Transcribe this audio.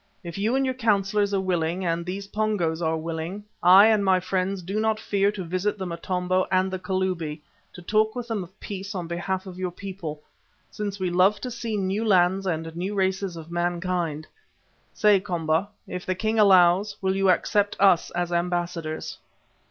If you and your councillors are willing, and these Pongos are willing, I and my friends do not fear to visit the Motombo and the Kalubi, to talk with them of peace on behalf of your people, since we love to see new lands and new races of mankind. Say, Komba, if the king allows, will you accept us as ambassadors?"